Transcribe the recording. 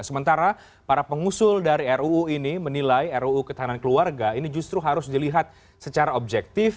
sementara para pengusul dari ruu ini menilai ruu ketahanan keluarga ini justru harus dilihat secara objektif